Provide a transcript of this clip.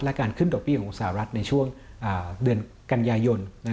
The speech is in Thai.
และการขึ้นดอกเบี้ยของสหรัฐในช่วงเดือนกันยายน